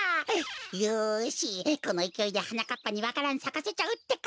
よしこのいきおいではなかっぱにわか蘭さかせちゃうってか！